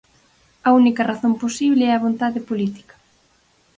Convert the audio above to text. A única razón posible é a vontade política.